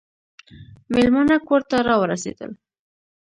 مېلمانه کور ته راورسېدل .